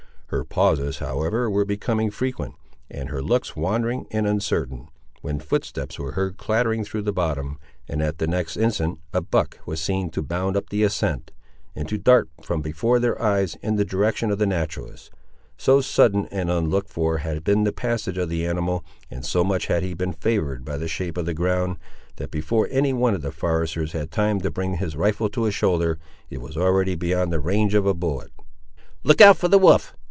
Her pauses, however, were becoming frequent, and her looks wandering and uncertain, when footsteps were heard clattering through the bottom, and at the next instant a buck was seen to bound up the ascent, and to dart from before their eyes, in the direction of the naturalist. So sudden and unlooked for had been the passage of the animal, and so much had he been favoured by the shape of the ground, that before any one of the foresters had time to bring his rifle to his shoulder, it was already beyond the range of a bullet. "Look out for the wolf!"